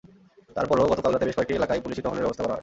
তারপরও গতকাল রাতে বেশ কয়েকটি এলাকায় পুলিশি টহলের ব্যবস্থা করা হয়।